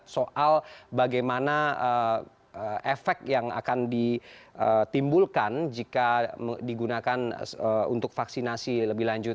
soal bagaimana efek yang akan ditimbulkan jika digunakan untuk vaksinasi lebih lanjut